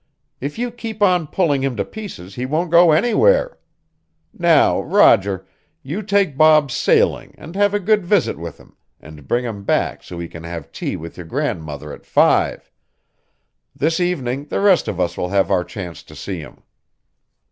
"If you keep on pulling him to pieces he won't go anywhere. Now Roger, you take Bob sailing and have a good visit with him, and bring him back so he can have tea with your grandmother at five; this evening the rest of us will have our chance to see him."